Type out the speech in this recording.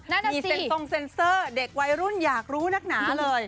อีเซ็นทรงเซ็นเซอร์เด็กวัยรุ่นอยากรู้นักหนาเลย